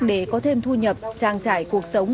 để có thêm thu nhập trang trải cuộc sống